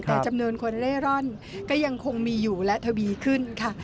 แต่จำนวนคนเล่ร่อนก็ยังคงมีอยู่และทวีขึ้นค่ะ